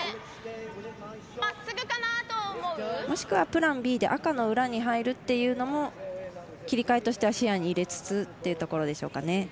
もしくは、プランＢで赤の裏に入るっていうのも切り替えとしては視野に入れつつというところでしょうかね。